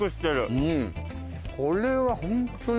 これはホントに。